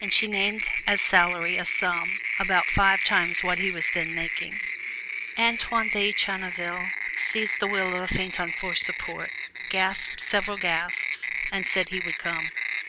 And she named as salary a sum about five times what he was then making. Antoine de Channeville seized the wheel of the phaeton for support, gasped several gasps, and said he would come.